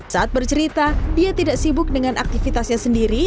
saat bercerita dia tidak sibuk dengan aktivitasnya sendiri